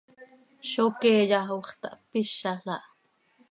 ¡Zó queeya hoox tahpizàl ah!